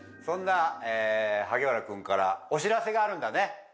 そんな萩原君からお知らせがあるんだね